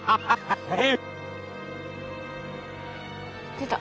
出た。